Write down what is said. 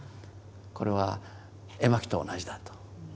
これは絵巻と同じだと。